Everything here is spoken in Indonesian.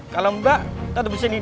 kalau mbak tetap disini